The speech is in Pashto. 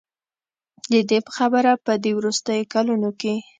د دې په خبره په دې وروستیو کلونو کې